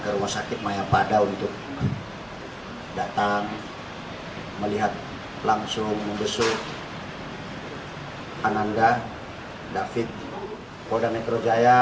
ke rumah sakit mayapada untuk datang melihat langsung membesuk ananda david polda metro jaya